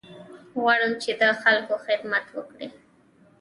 غواړم چې د خلکو خدمت وکړې.